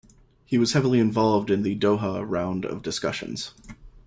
He was heavily involved in the Doha round of discussions.